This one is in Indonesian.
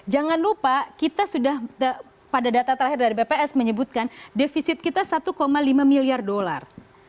jangan lupa kita sudah pada data terakhir dari bps menyebutkan defisit kita satu lima miliar dolar